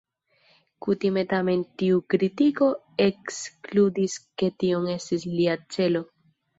Kutime tamen tiu kritiko ekskludis ke tion estis lia celo.